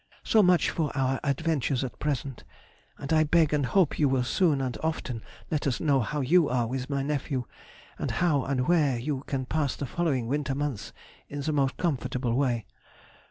So much for our adventures at present, and I beg and hope you will soon and often let us know how you are with my nephew, and how and where you can pass the following winter months in the most comfortable way.